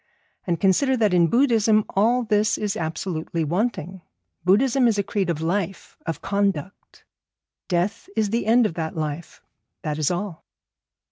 And consider that in Buddhism all this is absolutely wanting. Buddhism is a creed of life, of conduct; death is the end of that life, that is all.